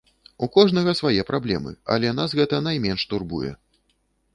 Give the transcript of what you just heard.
У кожнага свае праблемы, але нас гэта найменш турбуе.